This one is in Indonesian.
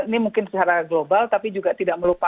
tapi ini mungkin secara global tapi juga tidak terlalu lama